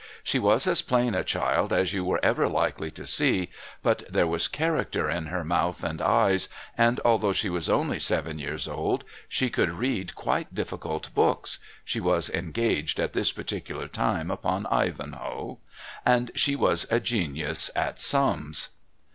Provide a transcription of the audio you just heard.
She was as plain a child as you were ever likely to see, but there was character in her mouth and eyes, and although she was only seven years old, she could read quite difficult books (she was engaged at this particular time upon "Ivanhoe"), and she was a genius at sums.